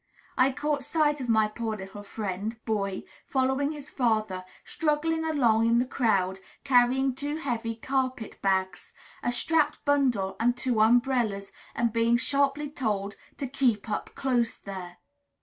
I caught sight of my poor little friend, Boy, following his father, struggling along in the crowd, carrying two heavy carpet bags, a strapped bundle, and two umbrellas, and being sharply told to "Keep up close there."